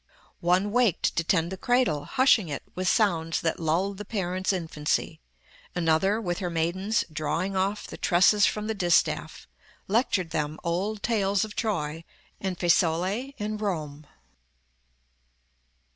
One waked to tend the cradle, hushing it With sounds that lulled the parents' infancy; Another, with her maidens, drawing off The tresses from the distaff, lectured them Old tales of Troy, and Fesole, and Rome."